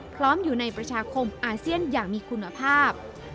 พร้อมอยู่ในประชาคมอาเซียนอย่างมีคุณภาพ